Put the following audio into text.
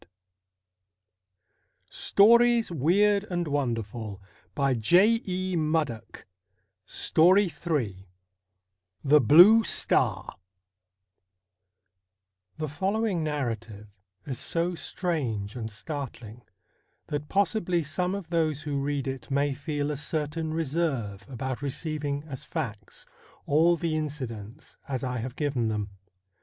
24 STORIES WEIRD AND WONDERFUL III THE BLUE STAR The following narrative is so strange and startling that possibly some of those who read it may feel a certain reserve about receiving as facts all the incidents as I have given them.